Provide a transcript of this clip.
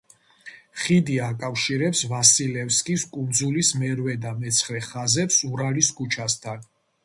ხიდი აკავშირებს ვასილევსკის კუნძულის მერვე და მეცხრე ხაზებს ურალის ქუჩასთან.